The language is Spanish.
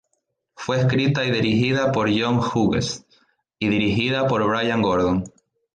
Fue escrita y dirigida por John Hughes y dirigida por Bryan Gordon.